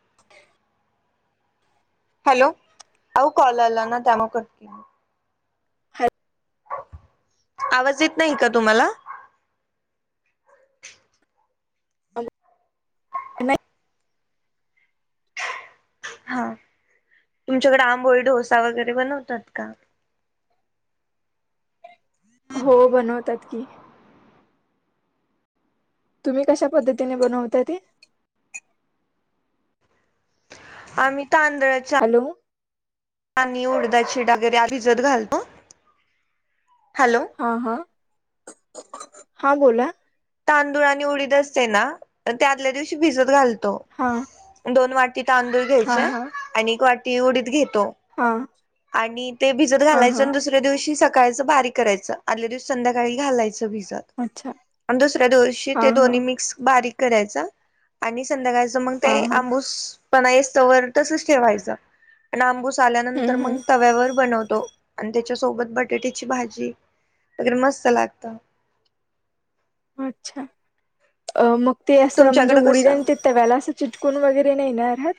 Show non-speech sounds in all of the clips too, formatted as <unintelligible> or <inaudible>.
<inaudible> Hello. आहो call आला ना त्यामुळे करती. हा आवाज येत नाही का तुम्हाला? नाही. हा तुमच्याकडे आंबोळी डोसा वगैरे बनवतात का? हो बनवतात की. तुम्ही कशा पद्धतीने बनवता ते आम्ही तांदळाच्या हॅलो आणि उडदाची डाळ वगैरे भिजत घालतो. हॅलो हा हा. हा बोला. तांदूळ आणि उडीत असते ना ते आदल्या दिवशी भिजत घालत हा दोन वाट ति तांदूळ हा घ्यायचे हा आणि वाट ती उडीत घेत हा आणि ते भिजत हा घालायचं हा आणि दुसऱ्या दिवशी स सकाळच बारी करायचं आदल्या दिवशी संध्याकाळी घालायचं भीज अच्छा! आणि दुसऱ्या दिवशी हा ते हा दोनी मिक्स बारीक करायचा आणि संध्याकाळचं मग हा ते हा आंबूस पण तसच ठेवायचं, आणि आंबूस झाल्यानंतर हम्म हम्म मग तव्यावर बनवतो. आणि त्याच्या सोबत बटाट्याची भाजी वगैरे मस्त लागत. अच्छा अ मग ते असं म्हणजे तुमच्याकडे उडीद आणि कसं? ते तव्याला असं चट कोन वगैरे नाही ना राहत?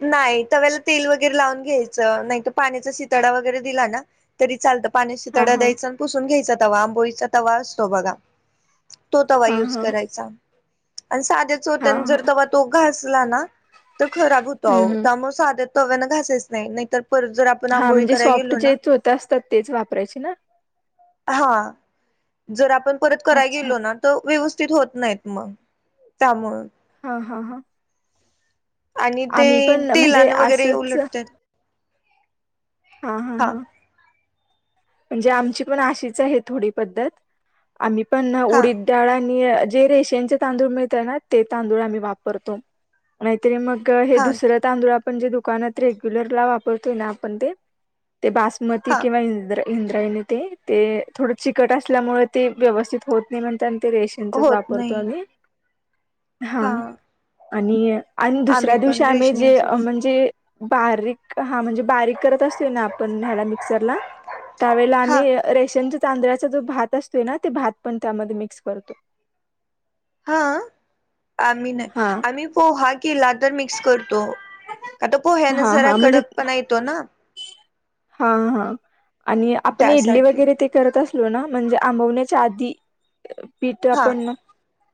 नाही, तव्याला तेल वगैरे लावून घ्यायचं नाही तर पाण्याचा शितडा वगैरे दिला ना तरी चालत. पाण्याची हा शिताडा हा द्यायचा आणि पुसून घ्यायचं. तवा आंबोळीचा तवा असतो बघा. तो तवा हा युज हा करायचा. आणि साध्या हा चौत्याने जर हा तेव्हा तो घासला ना तर खराब हो हम्म हो हम्म त्यामुळे साध तव्या ना घासायच नाही तर हा म्हणजे सॉफ्ट जेच होत असतात तेच वापरायचे ना? हा जर आपण परत कराय अच्छा गेलो ना तर व्यव नीट होत नाहीत मग त्यामुळं. हा हा हा. आणि ते आम्ही पण म्हणजे तेलान वगैरे असंच उलटत्यात. हा हा हा. म्हणजे आमची पण आशीच आहे थोडी पद्धत. आम्ही पण ना हा उडीद डाळ जे रेशनचे तांदूळ मिळत ना ते तांदूळ आम्ही वापरतो. नाही तर मग हे हा दुसरं तांदूळ आप म्हणजे दुकानात रेग्युलरला वापरतोय ना आपण ते. ते बासमती हा किंवा इंद्र इंद्रायनी ते ते थोडं चिकट असल्यामुळे ते व्यवस्थित होत नाही म्हणताना ते रेशनचच होत वापरतो नाही आम्ही. हा. आणि आणि आम्ही दुसऱ्या दिवशी पण आम्ही जे रेशनिंगचच म्हणजे बारीक हा म्हणजे बारीक करत असतोय ना आपण ह्याला मिक्सरला. त्यावेळेला हा आम्ही रेशनच तांदळा्चा जो भात असतोय ना, ते भात पण त्यामध्ये मिक्स करतो. हा? आम्ही नई हा आम्ही पोहा केला तर मिक्स करतो. आता पोह्याने हा जरा हा म्हणजे कडक पण येतो ना. हा हा. आणि आपन इडली त्यासाठी वगैरे ते करत अस ना म्हणजे आंबवण्याच्या आधी. पीट हा आपण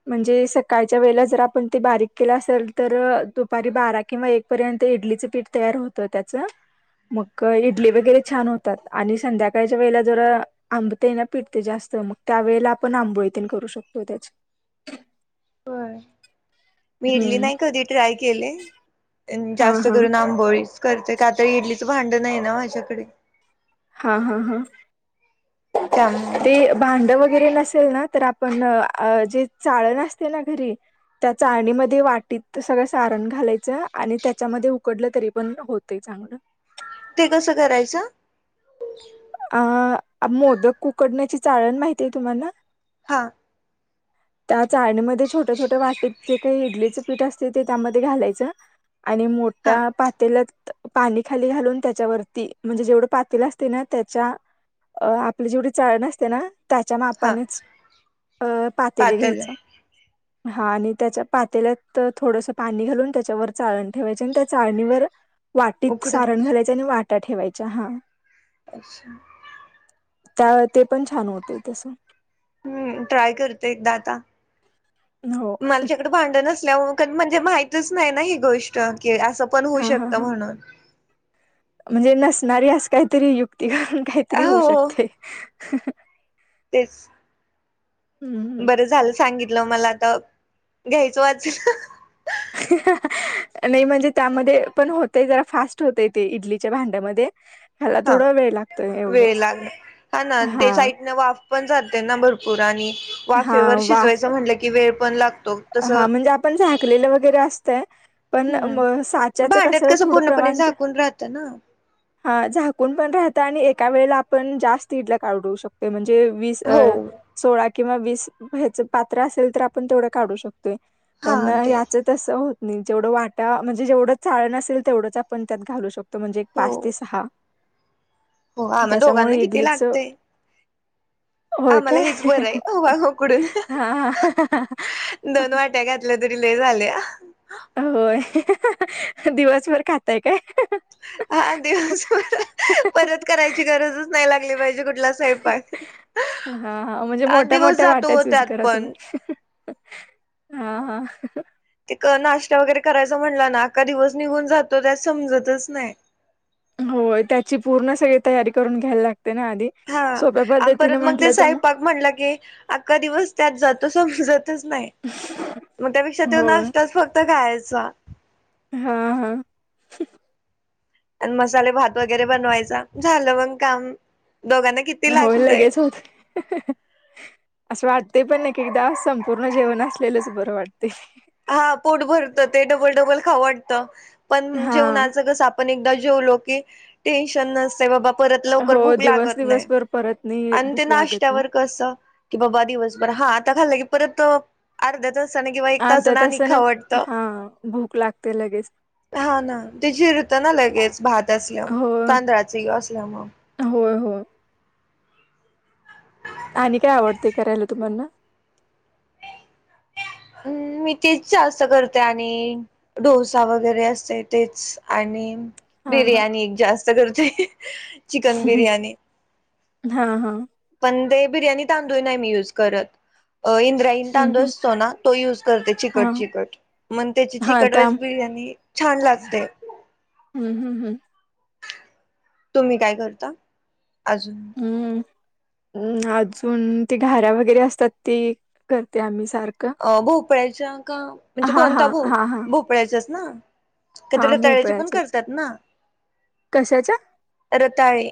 म्हणजे सकाळच्या वेळेला जर आपण ते बारीक केलं असेल तर, दुपारी बारा किंवा एक पर्यंत इडलीच पीठ तयार होत त्याच. मग इड आणि संध्याकाळच्या वेळेला जर आंबते ना पिट ते जास्त. मग त्या वेळेला आपण आंबोळी तेन करू शकतो त्याच. होय मि इडली नाही कधी ट्राय केले. हा जास्त हा करून आंबोळीच. करतेय का तर इडलीचं भांड नाही ना माझ्याकडे. हा हा हा. त्यामुळ ते भांड व गरे नसेल ना तर आपण न आ जे चाळन असते ना घरी. त्या चाळणी मध्ये वाटीत सगळं सारन घालायचं आणि त्याच्यामध्ये उकडल तरी पण होतय चांगल. ते कसं करायचं? आ मोदक उकडण्याची चाळण माहिती आहे तुम्हाना? हा. त्या चाळणीमध्ये छोट्या छोट्या वाटीत जे काही इडलीच पीठ असतयं ते त्यामध्ये घालायचं. आणि हा मोठ्या पातेल्यात - - पाणी खाली घालून त्याच्यावरती म्हणजे जेवढं पातेल असते ना त्याच्या अ आपली जेवढी चाळण असते ना - - त्याच्या हा मापानेच अ - - पातेलं पातेल घ्यायचं. हा आणि त्याच्या पातेल्यात थोडसं पाणी घालून त्याच्यावर चाळण ठेवायची आणि त्या चाळणीवर - - वाटीत सारण उकडवायचं घालायचं आणि वाटी - - त्यात ठेवायचं हा. अच्छा. त्या ते पण छान होतय तस. हम्म ट्राय करते एकदा आता. हो मल तिकडं भांड नसल्यावर - - पण म्हणजे माहितच नाही ना ही गोष्ट - - कि असं पण होऊ हा हा शकत हा म्हणून म्हणजे नसणारी अस काहीतरी युक्त - - त करून काहीतरी होऊ हो शकतयं. ह. तेच. हम्म बरं झालं सांगि तलं मला तर घ्यायचं वाचल. नाही म्हणजे त्यामध्ये पण होतय, जरा फास्ट होतय ते इडलीच्या भांड्यामध्ये. ह्याला हा थोडा वेळ लागतोय वेळ एवढंच लागणार, हा ना ते साईडने वाफ पण जाते ना भरपू - - पुर आणि हा वाफेवर वाफ शिजवायचं म्हटलं की वेळ पण लाग - - हा. म्हणजे आपण झाकलेलं वगैरे अस - - तयं. पण हम्म साचाचं भांड्यात कसं थोड पूर्णपणे प्रमाण, झाकून राहतं ना. हा झाक झाकुन पण राहत आणि एका वेळेला आपण जास्त इडल्या काढू शकतो, म्हणजे वीस, हो सोळा- - किंवा वीस ह्याच पात्र असेल तर आपण तेवढं - - काढू शकतो. हा पण ते याच तस हो जेवढं वाटा म्हणजे जेवढं चाळन असेल तेवढंच आपण त्यात घालू शकतो. तो म्हणजे एक हो पाच ते सहा. हो आणि दोघांना त्याच्यामुळे किती इडलीचं लागतेय होय काय, उकडून. हा दोन वाट्या घातले तरी लय झाले झाले होय दिवसभर खाताय काय हा दिवस परत करायची गरजच नाही लागली पाहिजे कुठलाच स्वयंपाक, हा म्हणजे हा मोठ्या दिवस मोठ्या जातो वाट्या हो चूज त्यात करा पण तुम्ही. हा हा ते नाश्ता वगैरे करायचा म्हणला ना का दिवस निघून जातो त्यात समजतच नाही हो त्याची पूर्ण सगळी तयारी करून घ्यायला लागते ना आधी. हा सोप्या आणि परत पद्धतीने मग ते म्हंटलं तर स्वयंपाक म्हटला की अख्खा दिवस त्यात जातो तसं समजतच नाही, मग त्यापेक्षा ते होय नाष्टताच फक्त काय सा हा हा अण मसाले भात वगैरे बनवायचा झालं मंग काम दोघांना किती होय लागतय लगेच होतय असं वाटतय पण ऐक ऐक एकदा संपूर्ण जेवण असलेलंच बरं हा पोटभर ते डबल डबल खाऊ वाटत पण हा. जेवणाच कास आपण एकदाच जेवलो की टेन्शन नसते बाबा परत लवकर हो भूक दिवस लागत नाही दिवसभर परत नाही आणि ते भूक लागत मग नाष्टयावर कस की बाबा दिवसभर हा परत तो अर्ध्या तासाने किंवा एक अर्धा आणि तासाने खावं वाटतं. हा भूक लागते लगेच हा ना ते जिरतो ना लगेच भात असल्यावर हो तांदळाच ही असल्यामूळ <unintelligible> आणि काय आवड करायला तुम्हाला <unintelligible> तेच जास्त करते आणि डोसा वगैरे असते तेच आणि हा हा बिर्याणी <unintelligible> जास्त <inaudible> <unintelligible> चिकन बिरयाणी <unintelligible> हा हा <unintelligible> बिर्याणी तांदूळ नाही मी यूज करत आ इंद्रायण हं, तांदूळ हं. असतो ना तो युज करते चिकट हां, चिकट मण त्याची हां. चिकट त्या वेज हं, बिर्याणी छान लागते <unintelligible> हं, हं. तुम्ही काय करता अजून हं, अजून ते घाऱ्या वगैरे असतात ते करते <unintelligible> <inaudible> <inaudible> का म्हणजे हां, कोणत्या हां. हां, हां. <unintelligible> भोपळ्याच्याच ना <unintelligible> हां, रताळ्याचे पण भोपळ्याच्याच. करतात ना कशाच्या? रताळे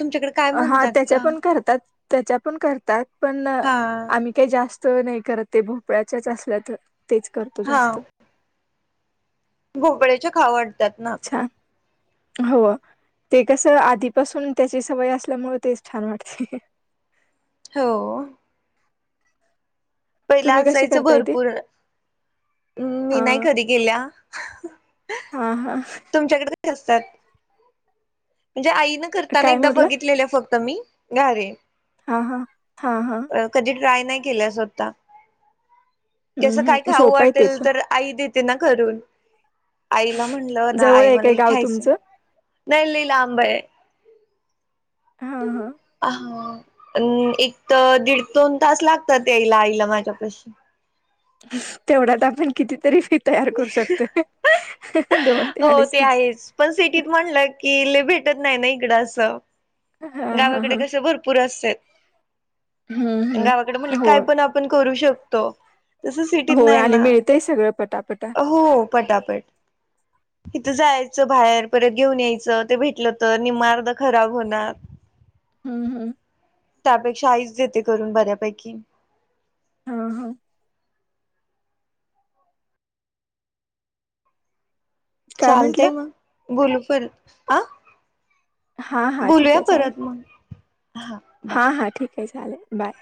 तुमच्याकडे काय हा म्हणतात त्याच्या पण करतात त्याच्या पण करतात पण हा आम्ही काय जास्त नाही करत ते भोपळ्याच्याच असल्या तर तेच करतो जास्त भोपळ्याचे <inaudible> त्यात ना छान. हो ते कसं आधीपासून त्याची सवय असल्यामुळे तेच छान वाटतय हो पहिला तुम्ही कशी असायचं करताय ते? भरपूर मी नाही हां. कधी केल्या. हां, हां. तुमच्याकडे असतात म्हणजे आई- ने करताना काय एकदा बघितलेले फक्त मी घारी हा- हा हा -हा ट्राय नाही केल्या स्वतः कस काय हम्म खाऊ सोपं आहे ते वाटेल पण तर आई दे- ते ना करून. आईला म्हणलं ना जवळ आई आहे मला काय हे गाव खायचंय तुमचं. नाही लय लांब आहे. हा हा हा अ अं एक तर दीड दोन तास लागतात याईला आईला माझ्यापशी. तेवढ्यात आपण कितीतरी फ- तयार करू शकते हो ते आहेच पण सिटीत म्हणलं की लय भेट. भटत नाही ना इकडं असं. हा हा गावाकडे हा कस भरपूर असतेय. हम्म गावाकडे हम्म मुले हो काय, पण आपण करू शकतो. तो, हो आणि मिळतय सगळं, पटापटा हो पटापट. इथ जायचं, बाहेर परत घेऊन यायचं ते भेटलं तर निम्म अर्धे खराब होणार. हम्म हम्म. त्यापेक्षा आईच देते, करून बऱ्यापैकी. हा हा. काय म्हंटलं चालतय मग, बोलू परत. आ हा हा ठीक बोलूया आहे चालेल परत मग, हा बाय. हा हा ठीक आहे चालेल बाय.